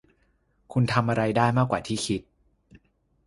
คุณทำอะไรได้มากกว่าที่คิด